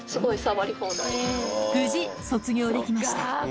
無事、卒業できました。